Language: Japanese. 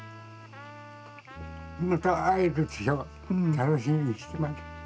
また会える日を楽しみにしてます。